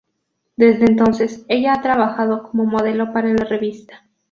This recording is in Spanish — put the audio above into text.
Desde entonces, ella ha trabajado como modelo para la revista.